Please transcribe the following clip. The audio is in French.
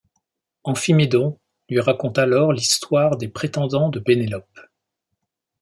Amphimédon lui raconte alors l'histoire des prétendants de Pénélope.